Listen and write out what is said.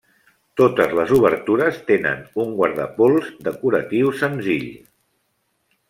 Totes les obertures tenen un guardapols decoratiu senzill.